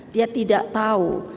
dia tidak tahu